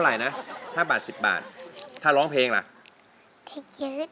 แล้วน้องใบบัวร้องได้หรือว่าร้องผิดครับ